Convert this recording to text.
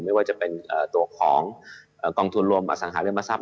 ไม่ว่าจะเป็นตัวของกองทุนรวมอสังหาริมทรัพ